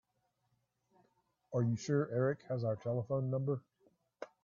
Are you sure Erik has our telephone number?